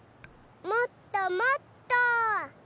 もっともっと！